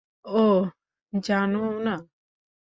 ওহ, জানোও না?